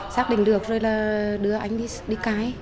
xác định được rồi là đưa anh đi cái